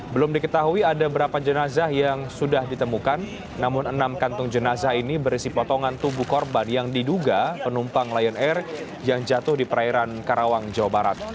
belum diketahui ada berapa jenazah yang sudah ditemukan namun enam kantung jenazah ini berisi potongan tubuh korban yang diduga penumpang lion air yang jatuh di perairan karawang jawa barat